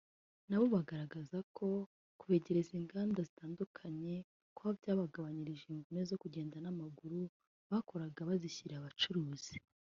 nabo bagaragaza ko kubegereza inganda zitunganya kawa byabagabanyirije imvune zo kugenda na maguru bakoraga bazishyiriye abacuruzi